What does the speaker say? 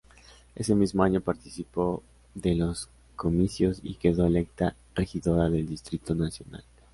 Ese mismo año participó de los comicios y quedó electa regidora del Distrito Nacional.